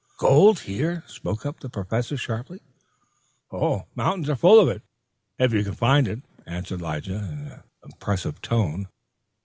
"Gold? Here?" spoke up the Professor sharply. "Mountains are full of it, if you can find it," answered Lige in an impressive tone.